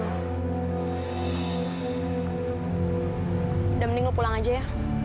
udah mending mau pulang aja ya